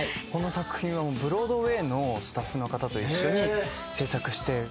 この作品はブロードウエーのスタッフの方と一緒に制作して。